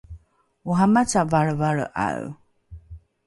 oramaca valrevalre’ae